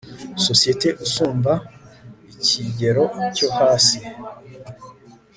sosiyete usumba ikigero cyo hasi